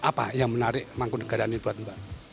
apa yang menarik mangkunegaraan ini buat mbak